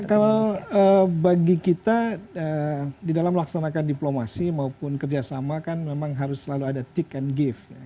kalau bagi kita di dalam melaksanakan diplomasi maupun kerjasama kan memang harus selalu ada tick and give